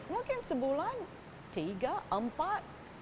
mungkin sebulan tiga empat